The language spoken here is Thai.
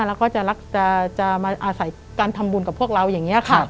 แล้วก็จะมาอาศัยการทำบุญกับพวกเราอย่างนี้ค่ะ